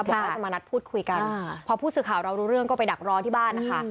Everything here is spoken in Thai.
ก็จะมานัดพูดคุยกันพอผู้สื่อข่าวเรารู้เรื่องก็ไปดักรอที่บ้านนะคะ